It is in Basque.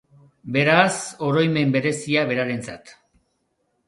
Beraz, oroimen berezia berarentzat.